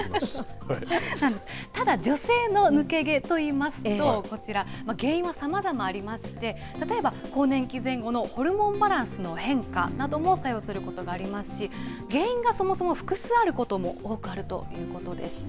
ただ、女性の抜け毛といいますと、こちら、原因はさまざまありまして、例えば、更年期前後のホルモンバランスの変化なども作用することがありますし、原因がそもそも複数あることも多くあるということでした。